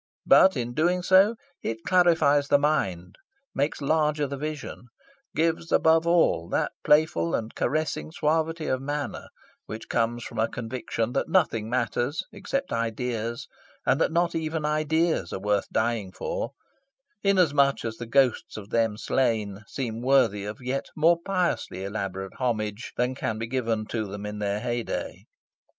But, in doing so, it clarifies the mind, makes larger the vision, gives, above all, that playful and caressing suavity of manner which comes of a conviction that nothing matters, except ideas, and that not even ideas are worth dying for, inasmuch as the ghosts of them slain seem worthy of yet more piously elaborate homage than can be given to them in their heyday.